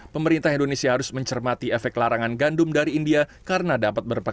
pemerintah indonesia harus mencermati efek larangan gandum dari india karena dapat berpengaruh